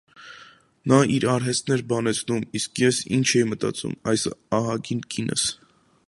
Նա իր արհեստն էր բանեցնում, իսկ ե՞ս ինչ էի մտածում, այս ահագին կինս: